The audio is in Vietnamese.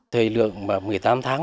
thời lượng một mươi tám tháng